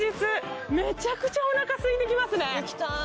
めちゃくちゃおなかすいてきますね。